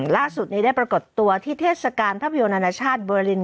ล่าสุดนี้ได้ปรากฏตัวที่เทศกาลภาพยนตร์นานาชาติเบอร์ลิน